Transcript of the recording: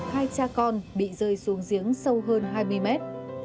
hai cha con bị rơi xuống giếng sâu hơn hai mươi mét